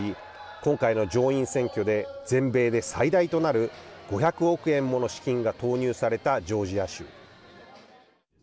今回の上院選挙で全米で最大となる５００億円もの資金が投入されたジョージア州。